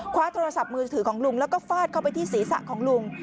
โทรศัพท์มือถือของลุงแล้วก็ฟาดเข้าไปที่ศีรษะของลุง